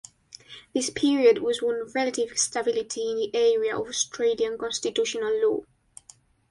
This period was one of relative stability in the area of Australian Constitutional Law.